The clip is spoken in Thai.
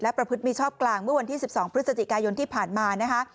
ประพฤติมีชอบกลางเมื่อวันที่๑๒พฤศจิกายนที่ผ่านมานะคะ